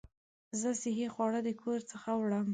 زه صحي خواړه د کور څخه وړم.